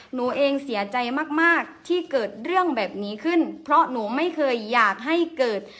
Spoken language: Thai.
หนูเองเสียใจมากมากที่เกิดเรื่องแบบนี้ขึ้นเพราะหนูไม่เคยอยากให้เกิด